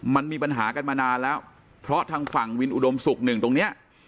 มันมีปัญหากันมานานแล้วเพราะทางฝั่งวินอุดมศุกร์หนึ่งตรงเนี้ย